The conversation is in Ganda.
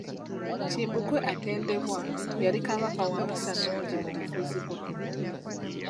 Kimbugwe atendebwa, yali Kabaka wa mpisa nnungi mu bufuzi bwe.